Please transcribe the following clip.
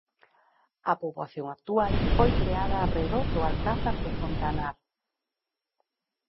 A poboación actual foi creada arredor do alcázar do Fontanar.